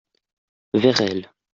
Vers elle.